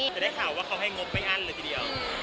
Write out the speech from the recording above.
จะได้ข่าวว่าเขาให้งบไม่อั้นเลยทีเดียว